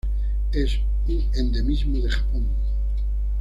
Es un endemismo de Japón